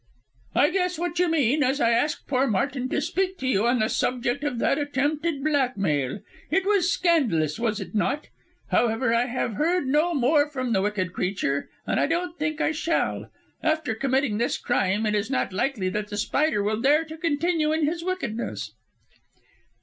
"I guess what you mean, as I asked poor Martin to speak to you on the subject of that attempted blackmail. It was scandalous, was it not? However, I have heard no more from the wicked creature, and I don't think I shall. After committing this crime, it is not likely that The Spider will dare to continue in his wickedness."